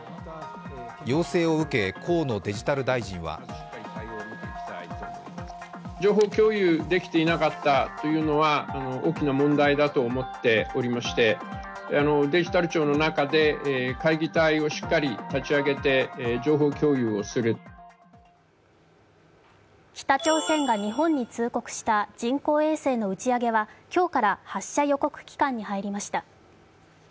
要請を受け河野デジタル大臣は北朝鮮が日本に通告した人工衛星の打ち上げは今日から発射予告期間に入りました。